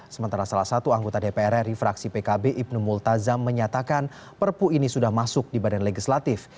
sementara salah satu anggota dprr refraksi pkb ibnu multazam menyatakan perpu ini sudah masuk di badan legislatif